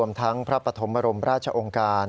จังหวัดปฐมบรมราชองการ